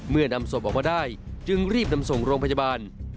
นำศพออกมาได้จึงรีบนำส่งโรงพยาบาล